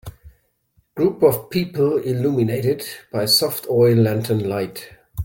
Group of people illuminated by soft oil lantern light.